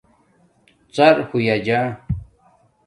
ژَر ہوئ جا